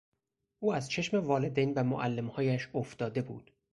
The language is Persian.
او از چشم والدین و معلمهایش افتاده بود.